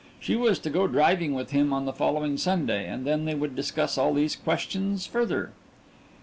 She was to go driving with him on the following Sunday, and then they would discuss all these questions further.